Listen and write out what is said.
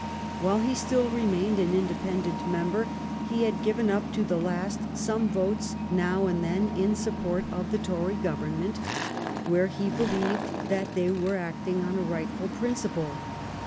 While he still re mained an independent member, he had given, up to the last, some votes now and then in sup port of the Tory Government where he believed that they were acting on a rightful principle.